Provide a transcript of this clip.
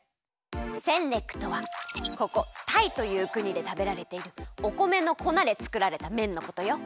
センレックとはここタイというくにでたべられているおこめのこなでつくられためんのことよ。